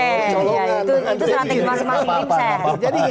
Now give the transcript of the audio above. itu strategi masing masing